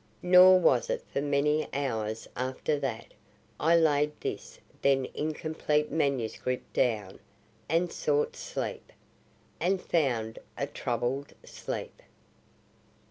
Nor was it for many hours after that I laid his then incomplete manuscript down and sought sleep and found a troubled sleep.